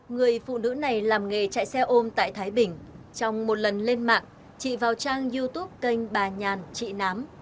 người phụ nữ này làm nghề chạy xe ôm tại thái bình trong một lần lên mạng chị vào trang youtube kênh bà nhàn chị nám